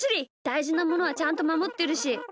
だいじなものはちゃんとまもってるし。